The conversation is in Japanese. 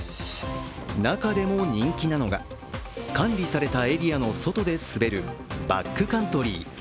中でも人気なのが管理されたエリアの外で滑るバックカントリー。